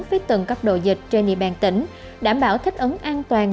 với từng cấp độ dịch trên địa bàn tỉnh đảm bảo thích ứng an toàn